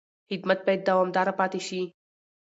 خدمت باید دوامداره پاتې شي.